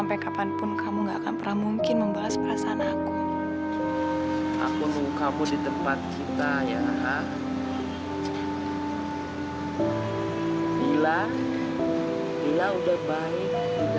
bila bila udah baik udah baik